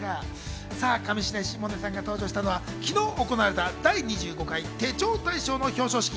上白石萌音さんが登場したのは、昨日、行われた第２５回手帳大賞の表彰式。